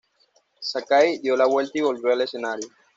Sakai dio la vuelta y volvió al escenario.